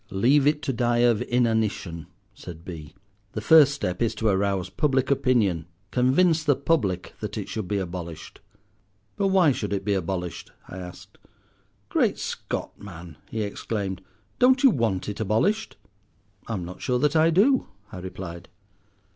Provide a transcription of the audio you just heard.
"Leave it to die of inanition," said B—; "the first step is to arouse public opinion. Convince the public that it should be abolished." "But why should it be abolished?" I asked. "Great Scott! man," he exclaimed; "don't you want it abolished?" "I'm not sure that I do," I replied.